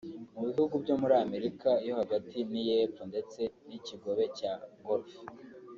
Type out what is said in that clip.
mu bihugu byo muri Amerika yo hagati n’iy’Epfo ndetse n’ikigobe cya Golf